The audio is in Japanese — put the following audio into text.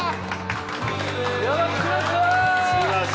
よろしくお願いします！